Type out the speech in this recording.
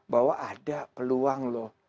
bahwa ada peluang loh